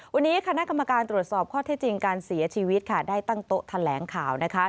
วันนี้คณะกรรมการตรวจสอบข้อที่จริงการเสียชีวิตค่ะได้ตั้งโต๊ะแถลงข่าวนะคะ